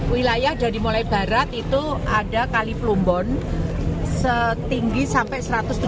wilayah dari mulai barat itu ada kali plumbon setinggi sampai satu ratus tujuh puluh